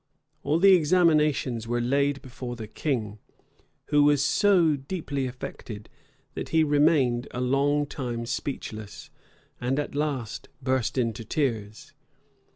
All the examinations were laid before the king, who was so deeply affected, that he remained a long time speechless, and at last burst into tears.